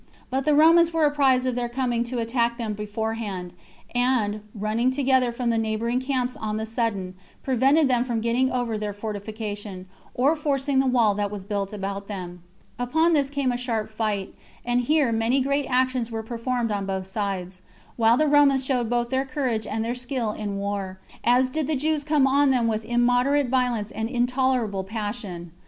But the Romans were apprized of their coming to attack them beforehand, and, running together from the neighboring camps on the sudden, prevented them from getting over their fortification, or forcing the wall that was built about them. Upon this came on a sharp fight, and here many great actions were performed on both sides; while the Romans showed both their courage and their skill in war, as did the Jews come on them with immoderate violence and intolerable passion.